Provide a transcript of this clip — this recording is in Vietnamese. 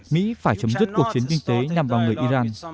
mỹ phải chấm dứt cuộc chiến kinh tế nhằm vào người iran